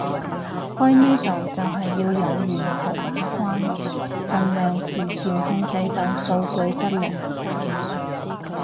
開呢度就係要由源頭把關盡量事前控制到數據質量